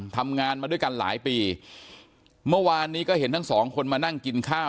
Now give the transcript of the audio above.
ทำงานมาด้วยกันหลายปีเมื่อวานนี้ก็เห็นทั้งสองคนมานั่งกินข้าว